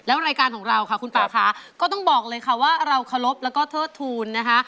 แล้วรายการของเราค่ะคุณป่าค่ะก็ต้องบอกเลยค่ะว่าเราเคารพแล้วก็เทิดทูลนะคะ